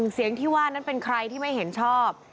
เสียงที่ว่านั้นเป็นใครที่ไม่เห็นชอบ